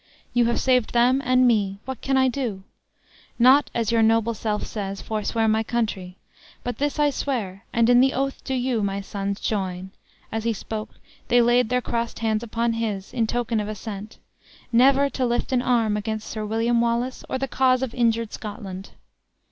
You have saved them and me. What can I do? Not, as your noble self says, forswear my country; but this I swear, and in the oath do you, my sons, join (as he spoke they laid their crossed hands upon his, in token of assent), never to lift an arm against Sir William Wallace or the cause of injured Scotland!"